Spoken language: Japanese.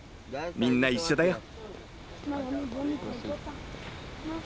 みんな一緒だよ。